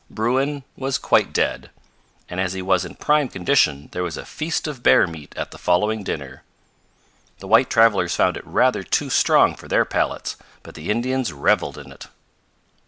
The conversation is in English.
Bruin was quite dead, and as he was in prime condition there was a feast of bear meat at the following dinner. The white travelers found it rather too strong for their palates, but the Indians reveled in it.